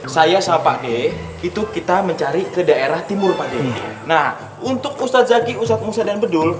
saya sama pak de itu kita mencari ke daerah timur pandemi nah untuk ustadz zaki ustadz musa dan bedul